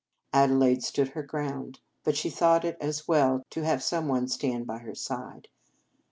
Adelaide stood her ground. But she thought it as well to have some one stand by her side.